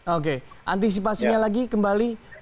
oke antisipasinya lagi kembali